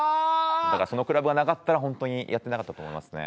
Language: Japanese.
だからそのクラブがなかったらほんとにやってなかったと思いますね。